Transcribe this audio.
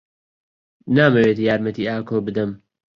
نامەوێت یارمەتیی ئاکۆ بدەم.